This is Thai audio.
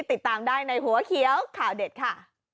ติดตามได้ในหัวเขียวข่าวเด็ดค่ะ